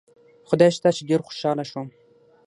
خدای شته چې ډېر خوشاله شوم.